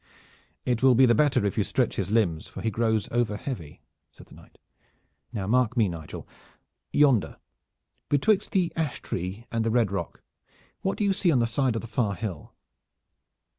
"It will be the better if you stretch his limbs, for he grows overheavy," said the knight. "Now mark me, Nigel! Yonder betwixt the ash tree and the red rock what do you see on the side of the far hill?"